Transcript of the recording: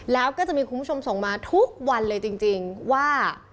แล้วก็จะมีคุณผู้ชมส่งมาทุกวันเลยจริงว่า